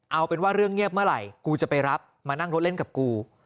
เอาเป็นว่าเรื่องเงียบเมื่อไหร่กูจะไปรับมานั่งรถเล่นกับกู